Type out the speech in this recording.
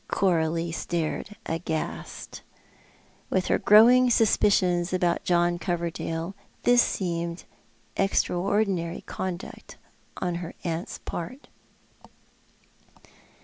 Coralie stared aghast. "With her growing suspicions about John Coverdale, this seemed extraordinary conduct on her aunt's part.